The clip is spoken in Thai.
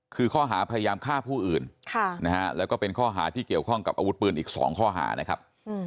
คือข้อหาพยายามฆ่าผู้อื่นแล้วก็เป็นข้อหาที่เกี่ยวข้องกับอาวุธปืนอีก๒ข้อหานะครับ